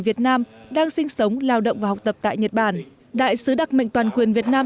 việt nam đang sinh sống lao động và học tập tại nhật bản đại sứ đặc mệnh toàn quyền việt nam